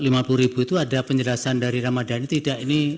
rp lima puluh ribu itu ada penjelasan dari ramadhani tidak ini